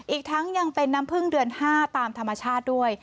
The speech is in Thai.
อีกทั้งยังเป็นน้ำพึ่งเดือน๕ตามธรรมชาติด้วย